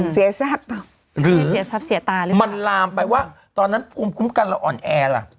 เสียทรัพย์หรือเปล่ามันลามไปว่าตอนนั้นคุ้มกันแล้วอ่อนแอลล่ะ